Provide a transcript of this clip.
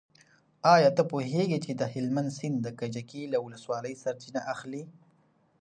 ایا ته پوهېږې چې د هلمند سیند د کجکي له ولسوالۍ سرچینه اخلي؟